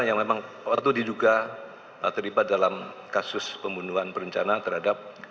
yang memang waktu diduga terlibat dalam kasus pembunuhan berencana terhadap